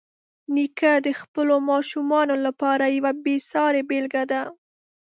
نیکه د خپلو ماشومانو لپاره یوه بېسارې بېلګه ده.